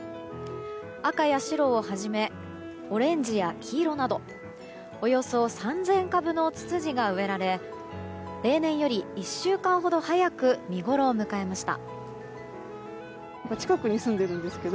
赤や白をはじめオレンジや黄色などおよそ３０００株のツツジが植えられ例年より１週間ほど早く見ごろを迎えました。